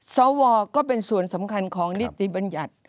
สวก็เป็นส่วนสำคัญของนิติบัญญัติ